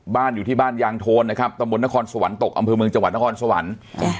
อยู่ที่บ้านยางโทนนะครับตำบลนครสวรรค์ตกอำเภอเมืองจังหวัดนครสวรรค์